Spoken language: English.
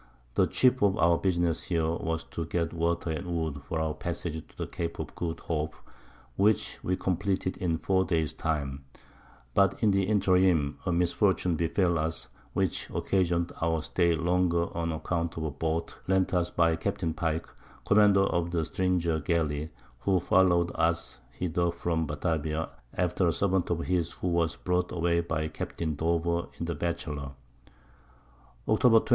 The Chief of our Business here, was to get Water and Wood for our Passage to the Cape of Good Hope, which we compleated in 4 Days Time: But in the Interim a Misfortune befel us, which occasion'd our Stay longer on Account of a Boat lent us by Capt. Pike, Commander of the Stringer Gally, who followed us hither from Batavia, after a Servant of his who was brought away by Captain Dover in the Batchelor. Octob. 23.